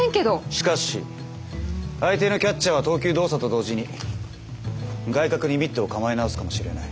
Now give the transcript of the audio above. しかし相手のキャッチャーは投球動作と同時に外角にミットを構え直すかもしれない。